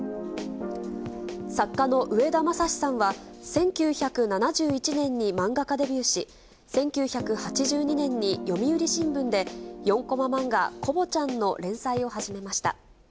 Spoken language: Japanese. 作家の植田まさしさんは、１９７１年に漫画家デビューし、１９８２年に読売新聞で４コマ漫画、コボちゃんの連載を始めました。